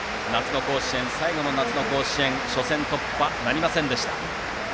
最後の夏の甲子園は初戦突破なりませんでした。